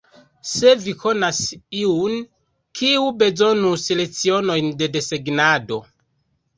Se vi konas iun, kiu bezonus lecionojn de desegnado.